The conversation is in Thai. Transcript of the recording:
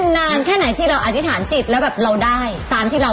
นานแค่ไหนที่เราอธิษฐานจิตแล้วแบบเราได้ตามที่เรา